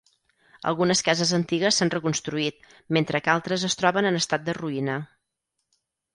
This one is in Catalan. Algunes cases antigues s'han reconstruït mentre que altres es troben en estat de ruïna.